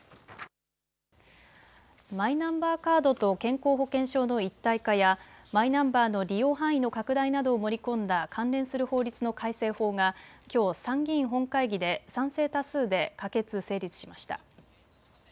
マイナンバーカードと健康保険証の一体化やマイナンバーの利用範囲の拡大などを盛り込んだ関連する法律の改正法がきょうの参議院本会議で賛成多数で可決・成立しました。